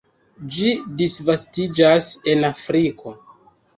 Ĝi disvastiĝas en Afriko.